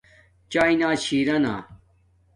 چاݵے نا چھرنا